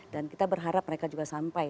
dan kita berharap mereka juga sampai